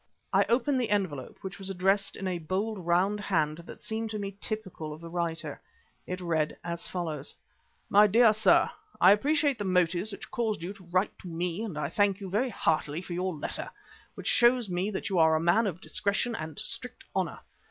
I opened the envelope, which was addressed in a bold, round hand that seemed to me typical of the writer, and read as follows: "My Dear Sir, I appreciate the motives which caused you to write to me and I thank you very heartily for your letter, which shows me that you are a man of discretion and strict honour.